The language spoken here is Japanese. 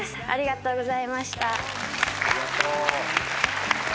ありがとう。